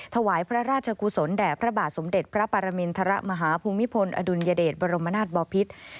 ถวายพระราชกุศลแด่พระบาทสมเด็จพระปรมินทรมาฮภูมิพลอดุลยเดชบรมนาศบอพิษ